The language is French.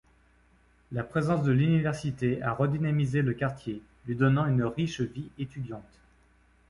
La présence de l'université a redynamisé le quartier, lui donnant une riche vie étudiante.